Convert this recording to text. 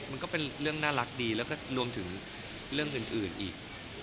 มันก็เป็นเรื่องน่ารักดีแล้วก็รวมถึงเรื่องอื่นอีก